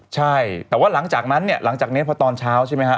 ใช่แต่ว่าหลังจากนั้นเนี่ยหลังจากนี้พอตอนเช้าใช่ไหมฮะ